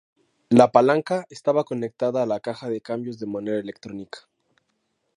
La palanca estaba conectada a la caja de cambios de manera electrónica.